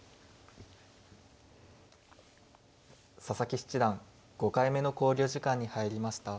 佐々木七段５回目の考慮時間に入りました。